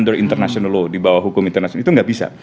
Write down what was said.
di bawah international law di bawah hukum internasional itu gak bisa